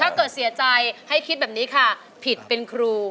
เกิดเสียใจให้คิดแบบนี้ค่ะผิดเป็นครู